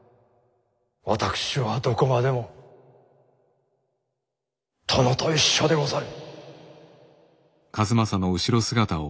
私はどこまでも殿と一緒でござる。